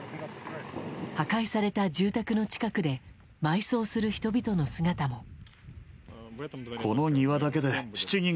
破壊された住宅の近くで埋葬する人々の姿も。